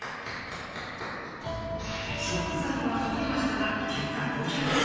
食材はかぶりましたが結果５００円。